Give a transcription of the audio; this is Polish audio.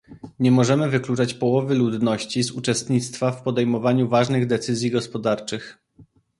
Nie możemy wykluczać połowy ludności z uczestnictwa w podejmowaniu ważnych decyzji gospodarczych